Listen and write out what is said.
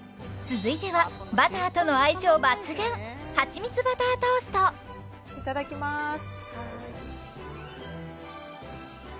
続いてはバターとの相性抜群いただきます！